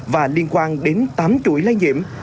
và liên quan đến tám chuỗi lai nhiễm